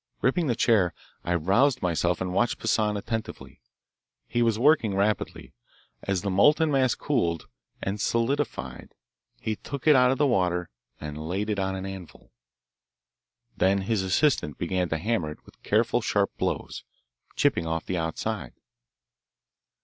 Gripping the chair, I roused myself and watched Poissan attentively. He was working rapidly. As the molten mass cooled and solidified he took it out of the water and laid it on an anvil. Then his assistant began to hammer it with careful, sharp blows, chipping off the outside.